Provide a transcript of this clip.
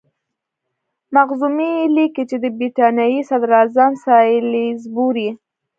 مخزومي لیکي چې د برټانیې صدراعظم سالیزبوري.